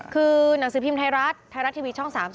คือหนังสือพิมพ์ไทยรัฐไทยรัฐทีวีช่อง๓๒